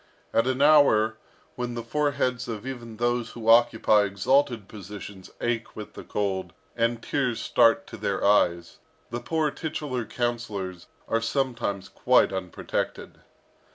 At an hour, when the foreheads of even those who occupy exalted positions ache with the cold, and tears start to their eyes, the poor titular councillors are sometimes quite unprotected.